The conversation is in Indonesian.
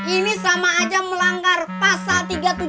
ini sama aja melanggar pasal tiga ratus tujuh puluh